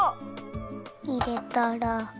いれたら。